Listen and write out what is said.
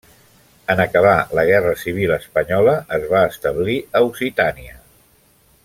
En acabar la guerra civil espanyola es va establir a Occitània.